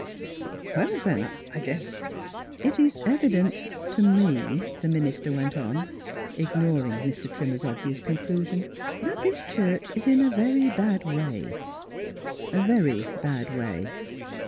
" Well, then, I guess — 1 " It is evident to me," the minister went on, ignoring Mr. Trimmer's obvious con clusion, " that this church is in a very bad way — a very bad way.